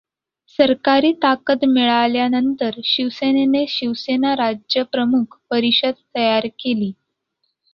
सरकारी ताकद मिळाल्यानंतर शिवसेनेने शिवसेना राज्यप्रमुख परिषद तयार केली.